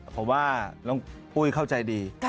ผมว่าน้องปุ้ยเข้าใจดี